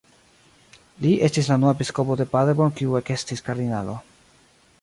Li estis la unua episkopo de Paderborn kiu ekestis kardinalo.